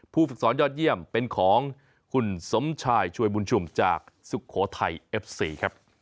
ฝึกสอนยอดเยี่ยมเป็นของคุณสมชายช่วยบุญชุมจากสุโขทัยเอฟซีครับ